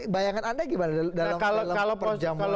bayangan anda gimana dalam perjamuan